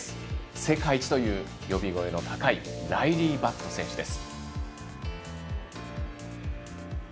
世界一という呼び声が高いライリー・バット選手です。